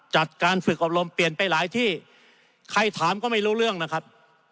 จัดการฝึกอบรมเปลี่ยนไปหลายที่ใครถามก็ไม่รู้เรื่องนะครับ